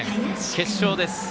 決勝です。